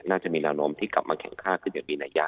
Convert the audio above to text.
จะมีแนวโน้มที่กลับมาแข็งค่าขึ้นอย่างมีนัยะ